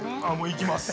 いきます。